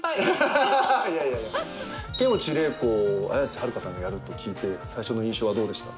剣持麗子を綾瀬はるかさんがやると聞いて最初の印象はどうでした？